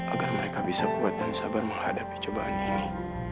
agar mereka bisa kuat dan sabar menghadapi cobaan ini